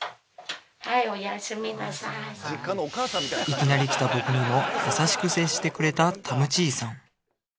いきなり来た僕にも優しく接してくれたタム・チーさん